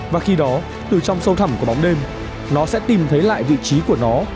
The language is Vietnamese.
và khi đó từ trong sâu thẳm của bóng đêm nó sẽ tìm thấy lại vị trí của nó